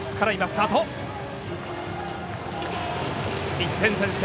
１点先制。